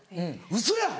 ウソやん。